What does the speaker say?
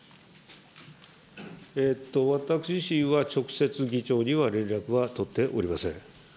私自身は直接議長には連絡は取っておりません。